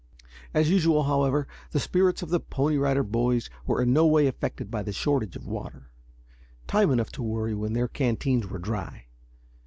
As usual, however, the spirits of the Pony Rider Boys were in no way affected by the shortage of water. Time enough to worry when their canteens were dry.